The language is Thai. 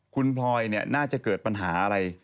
คุณพลอยน่าจะเกิดปัญหาอะไร